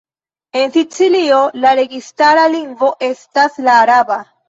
En Sicilio la registara lingvo estis la araba.